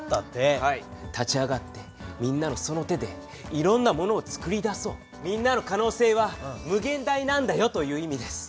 立ち上がってみんなのその手でいろんなものをつくり出そうみんなの可能性は無限大なんだよという意味です。